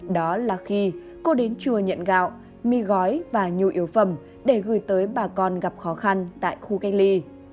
đó là khi cô đến chùa nhận gạo mì gói và nhu yếu phẩm để gửi tới bà con gặp khó khăn tại khu cách ly